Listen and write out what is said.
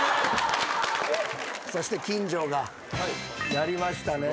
そして金城がやりましたね。